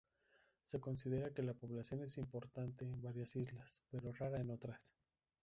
Se considera que la población es importante es varias islas, pero rara en otras.